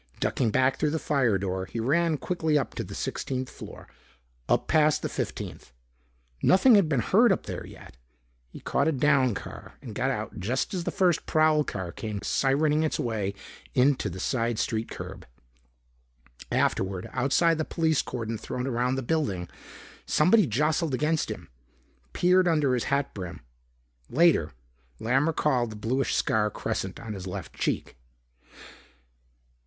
Ducking back through the firedoor, he ran quickly up to the sixteenth floor, up past the fifteenth. Nothing had been heard up there yet. He caught a down car and got out just as the first prowl car came sirening its way into the side street curb. Afterward, outside the police cordon thrown around the building, somebody jostled against him, peered under his hat brim. Later, Lamb recalled the bluish scar crescent on his left cheek.